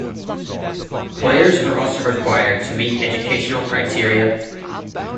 Players are also required to meet educational criteria.